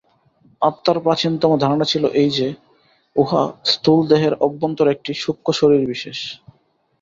আত্মার প্রাচীনতম ধারণা ছিল এই যে, উহা স্থূলদেহের অভ্যন্তরে একটি সূক্ষ্ম শরীর- বিশেষ।